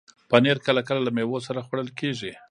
پنېر کله کله له میوو سره خوړل کېږي.